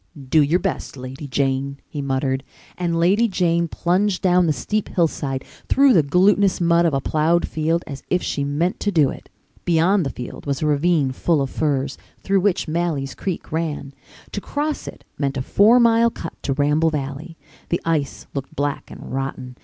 "Do your best, Lady Jane," he muttered, and Lady Jane plunged down the steep hillside, through the glutinous mud of a ploughed field as if she meant to do it. Beyond the field was a ravine full of firs, through which Malley's Creek ran. To cross it meant a four mile cut to Ramble Valley. The ice looked black and rotten.